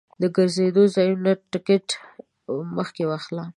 د ګرځندوی ځایونو ټکټ مخکې واخله.